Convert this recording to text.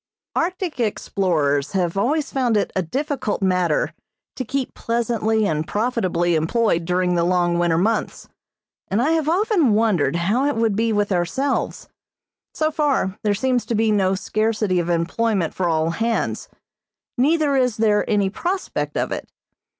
Arctic explorers have always found it a difficult matter to keep pleasantly and profitably employed during the long winter months, and I have often wondered how it would be with ourselves. So far, there seems to be no scarcity of employment for all hands, neither is there any prospect of it.